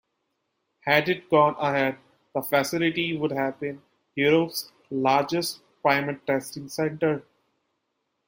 Had it gone ahead, the facility would have been Europe's largest primate testing centre.